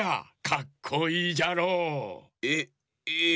かっこいいじゃろう。えええ。